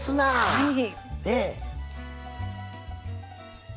はい。